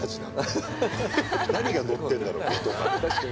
何がのってんだろ具とか。